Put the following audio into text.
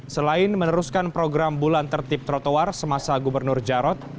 selain meneruskan program bulan tertib trotoar semasa gubernur jarot